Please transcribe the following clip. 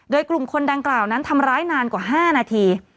โดยกลุ่มคนดังกล่าวนั้นทำร้ายนานกว่า๕นาที